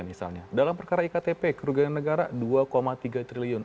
misalnya dalam perkara iktp kerugian negara dua tiga triliun